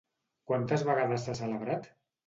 Quantes vegades s'ha celebrat?